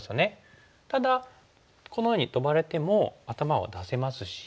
ただこのようにトバれても頭は出せますし。